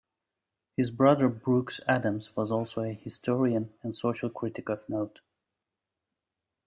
His brother Brooks Adams was also a historian and social critic of note.